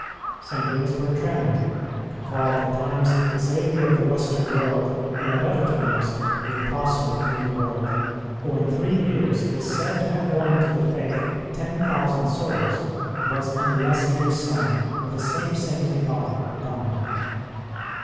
St. Lewis Ber trand called at times the Xavier of the Western World, and at other times the Apostle of the New World, who in three years is said to have won to the faith 10,000 souls was an illustrious son of the same saintly father, Dominic.